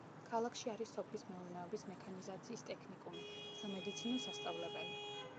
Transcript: ქალაქში არის სოფლის მეურნეობის მექანიზაციის ტექნიკუმი, სამედიცინო სასწავლებელი.